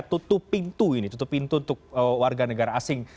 tutup pintu ini tutup pintu untuk warga negara asing